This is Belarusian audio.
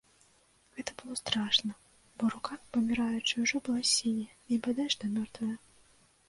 Гэта было страшна, бо рука паміраючай ужо была сіняя і бадай што мёртвая.